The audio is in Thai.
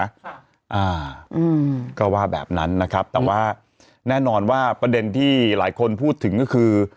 อ่าอืมก็ว่าแบบนั้นนะครับแต่ว่าแน่นอนว่าประเด็นที่หลายคนพูดถึงก็คือ